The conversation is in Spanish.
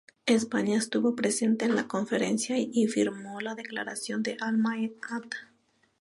España estuvo presente en la Conferencia y firmó la Declaración de Alma-Ata.